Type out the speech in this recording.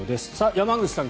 山口さん